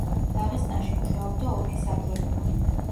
დაღესტანში მუშაობდა ოლქის აგრონომად.